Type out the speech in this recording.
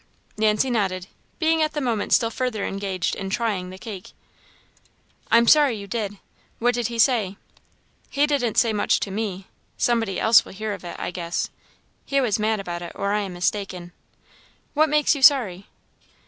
Nancy nodded, being at the moment still further engaged in "trying" the cake. "I am sorry you did. What did he say?" "He didn't say much to me somebody else will hear of it, I guess. He was mad about it, or I am mistaken. What makes you sorry?"